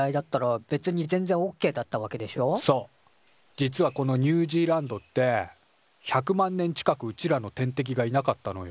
実はこのニュージーランドって１００万年近くうちらの天敵がいなかったのよ。